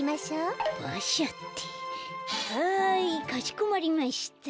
はいかしこまりました。